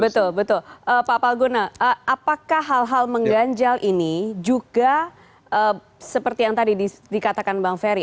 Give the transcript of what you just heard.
betul betul pak palguna apakah hal hal mengganjal ini juga seperti yang tadi dikatakan bang ferry